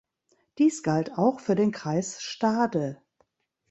Dies galt auch für den Kreis Stade.